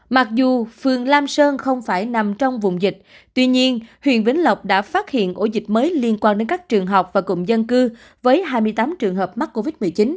mặc dù phường lam sơn không phải nằm trong vùng dịch tuy nhiên huyện vĩnh lộc đã phát hiện ổ dịch mới liên quan đến các trường học và cụm dân cư với hai mươi tám trường hợp mắc covid một mươi chín